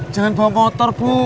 jangan bawa motor bu